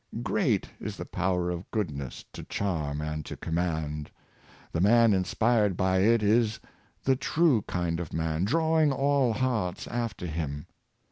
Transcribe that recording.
Great is the power of goodness to charm and to com mand. The man inspired by it is the true kind of man, drawing all hearts after him.